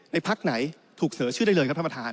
ในภักดิ์ไหนถูกเสนอชื่อได้เลยครับถ้าน